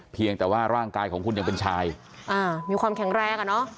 เพียงแต่ว่าร่างกายของคุณยังเป็นชายอ่ามีความแข็งแรงอ่ะเนอะ